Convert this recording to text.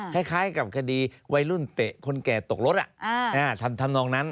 คล้ายกับคดีวัยรุ่นเตะคนแก่ตกรถทำนองนั้น